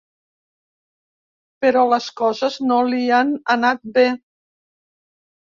Però les coses no li han anat bé.